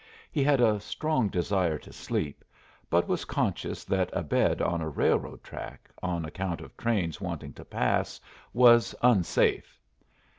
He had a strong desire to sleep, but was conscious that a bed on a railroad track, on account of trains wanting to pass, was unsafe.